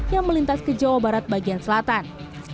yang melintas ke jawa barat bagian selatan